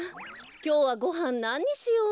きょうはごはんなににしよう？